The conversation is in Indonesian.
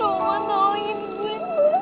rumah tolongin gue